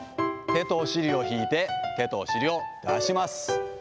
手とお尻を引いて、手とお尻を出します。